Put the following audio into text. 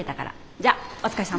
じゃあお疲れさん。